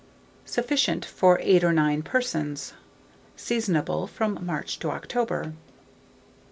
Sufficient for 8 or 9 persons. Seasonable from March to October.